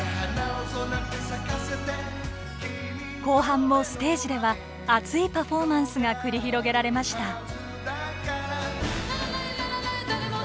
後半もステージでは熱いパフォーマンスが繰り広げられました。